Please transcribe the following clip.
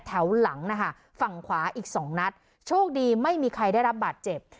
หลังนะคะฝั่งขวาอีกสองนัดโชคดีไม่มีใครได้รับบาดเจ็บ